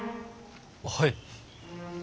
はい。